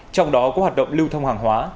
trong đó có hoạt động lưu thông hàng hóa